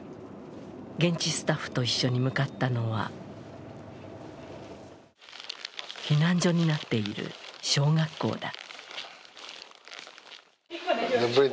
現地スタッフと一緒に向かったのは避難所になっている小学校だ。